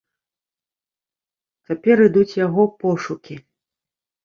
Цяпер ідуць яго пошукі.